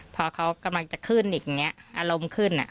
พอเขากำลังจะขึ้นอารมณ์ขึ้น